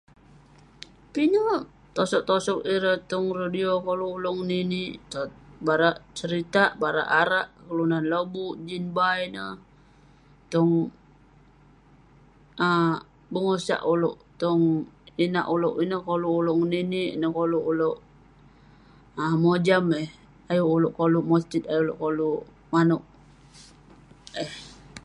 pinek tosog tosog ireh tong radio koluk ulouk ngeninik, barak seritak, barak arak kelunan lobuk jin bai ineh, tong um bengosak ulouk, tong inak ulouk, ineh koluk ulouk ngeninik ineh koluk ulouk mojam eh ayuk ulouk koluk motit, ayuk ulouk koluk manouk eh